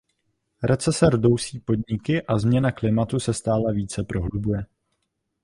Recese rdousí podniky a změna klimatu se stále více prohlubuje.